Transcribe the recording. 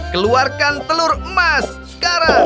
keluarkan telur emas sekarang